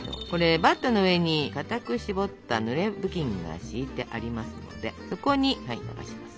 バットの上にかたく絞ったぬれ布巾が敷いてありますのでそこに流します。